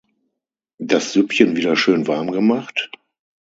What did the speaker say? Das Süppchen wieder schön warm gemacht?